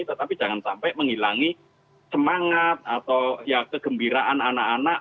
tetapi jangan sampai menghilangi semangat atau ya kegembiraan anak anak